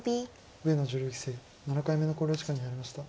上野女流棋聖７回目の考慮時間に入りました。